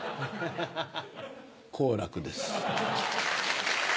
好楽です。